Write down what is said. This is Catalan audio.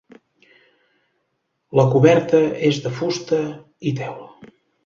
La coberta és de fusta i teula.